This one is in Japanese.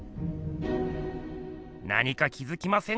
何か気づきませんか？